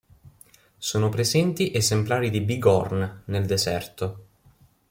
Sono presenti esemplari di bighorn del deserto.